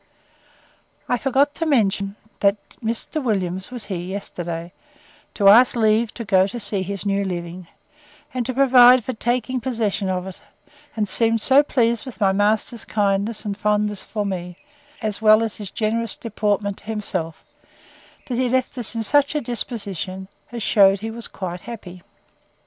I forgot to mention, that Mr. Williams was here yesterday, to ask leave to go to see his new living, and to provide for taking possession of it; and seemed so pleased with my master's kindness and fondness for me, as well as his generous deportment to himself, that he left us in such a disposition, as shewed he was quite happy.